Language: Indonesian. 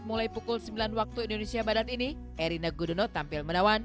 mulai pukul sembilan waktu indonesia barat ini erina gudono tampil menawan